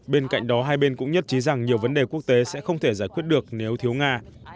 bên cạnh đó hai bên cũng nhất trí rằng nhiều vấn đề quốc tế sẽ không thể giải quyết được nếu thiếu nga